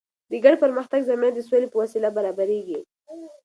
د ګډ پرمختګ زمینه د سولې په وسیله برابریږي.